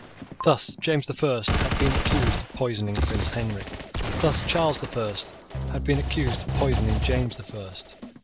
Thus James the First had been accused of poisoning Prince Henry. Thus Charles the First had been accused of poisoning James the First.